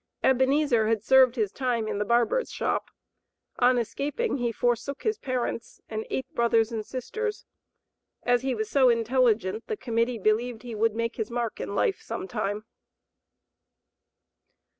Ebenezer had served his time in the barber's shop. On escaping he forsook his parents, and eight brothers and sisters. As he was so intelligent, the Committee believed he would make his mark in life some time.